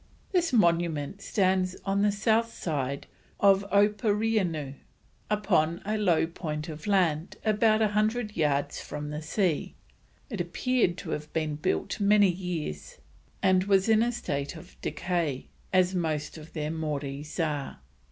This monument stands on the south side of Opooreanoo, upon a low point of land about 100 yards from the sea. It appeared to have been built many years and was in a state of decay, as most of their Mories are.